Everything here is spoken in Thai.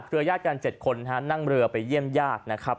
เปรือนญาติการ๗คนขนาดนั่งเรือไปเยี่ยมยากนะครับ